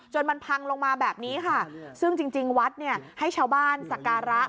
มันพังลงมาแบบนี้ค่ะซึ่งจริงจริงวัดเนี่ยให้ชาวบ้านสการะ